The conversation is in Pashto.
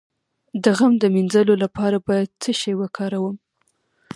د غم د مینځلو لپاره باید څه شی وکاروم؟